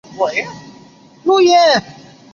谭家有几百亩田地和一家米店。